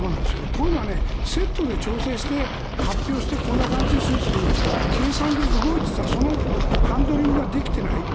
こういうのはセットで調整して発表してこんな感じですよという計算で動いていたらそのハンドリングができていない。